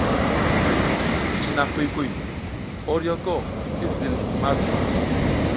Cina kuy kuy, oryoko i zil ma zuma.